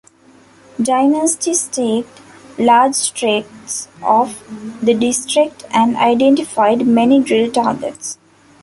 Dynasty staked large tracts of the district and identified many drill targets.